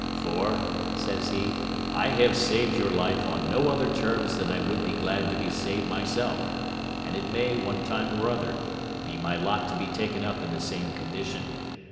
"For," says he, "I have saved your life on no other terms than I would be glad to be saved myself: and it may, one time or other, be my lot to be taken up in the same condition.